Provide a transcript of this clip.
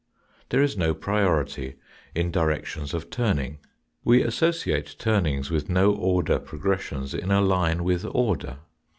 There is no priority in directions of turning. We associate turnings with no order progressions in a line with order.